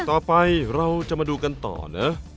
ต่อไปเราจะมาดูกันต่อนะ